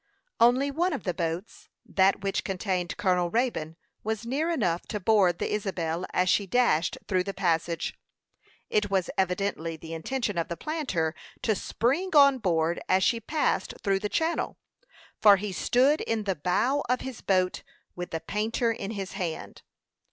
Only one of the boats that which contained Colonel Raybone was near enough to board the Isabel as she dashed through the passage. It was evidently the intention of the planter to spring on board as she passed through the channel; for he stood in the bow of his boat with the painter in his hand.